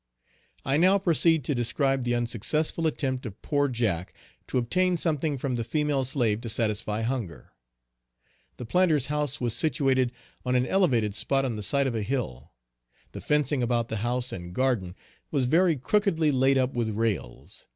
I now proceed to describe the unsuccessful attempt of poor Jack to obtain something from the female slave to satisfy hunger. The planter's house was situated on an elevated spot on the side of a hill. The fencing about the house and garden was very crookedly laid up with rails.